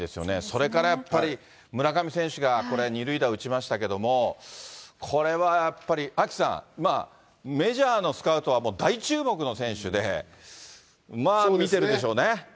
それからやっぱり、村上選手がこれ、２塁打打ちましたけれども、これはやっぱり、アキさん、メジャーのスカウトは大注目の選手で、まあ見てるでしょうね。